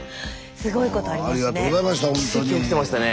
すごいことありますね。